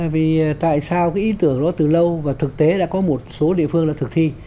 vì tại sao cái ý tưởng đó từ lâu và thực tế đã có một số địa phương đã thực thi